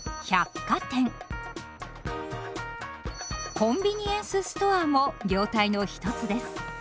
コンビニエンスストアも業態の一つです。